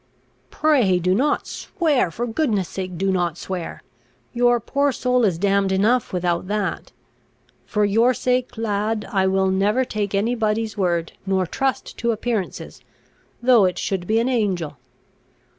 "Pray, do not swear! for goodness' sake, do not swear! your poor soul is damned enough without that. For your sake, lad, I will never take any body's word, nor trust to appearances, tho' it should be an angel.